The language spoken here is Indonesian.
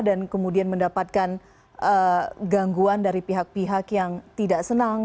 dan kemudian mendapatkan gangguan dari pihak pihak yang tidak senang